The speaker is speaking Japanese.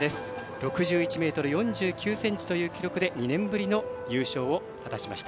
６１ｍ４９ｃｍという記録で２年ぶりの優勝を果たしました。